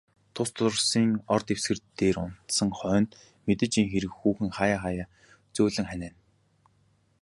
Тус тусын ор дэвсгэр дээр унтсан хойно, мэдээжийн хэрэг хүүхэн хааяа хааяа зөөлөн ханиана.